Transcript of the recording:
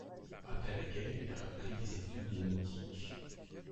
Après la guerre, il a repris des études nautiques.